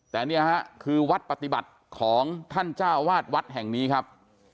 แต่เนี่ยฮะคือวัดปฏิบัติของท่านเจ้าวาดวัดแห่งนี้ครับ